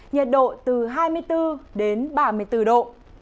nhiệt độ từ hai mươi bốn đến ba mươi bốn độ